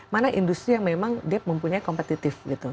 mana industri yang memang dia mempunyai kompetitif gitu